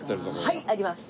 はいあります！